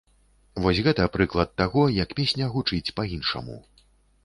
Вось гэта прыклад таго, як песня гучыць па-іншаму.